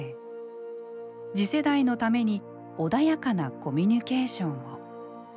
次世代のために穏やかなコミュニケーションを。